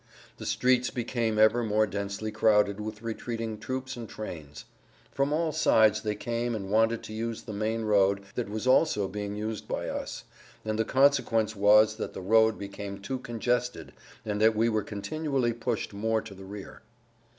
The streets became ever more densely crowded with retreating troops and trains; from all sides they came and wanted to use the main road that was also being used by us, and the consequence was that the road became too congested and that we were continually pushed more to the rear.